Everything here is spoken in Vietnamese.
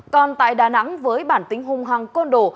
còn tại đà nẵng với bản tính hung hăng con đồ